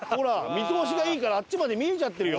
見通しがいいからあっちまで見えちゃってるよ！